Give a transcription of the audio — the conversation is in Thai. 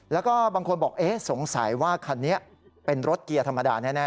แล้วก็บางคนบอกสงสัยว่าคันนี้เป็นรถเกียร์ธรรมดาแน่